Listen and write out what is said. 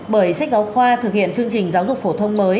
bởi sách giáo khoa thực hiện chương trình giáo dục phổ thông mới